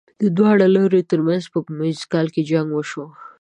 د دواړو لورو تر منځ په سپوږمیز کال جنګ وشو.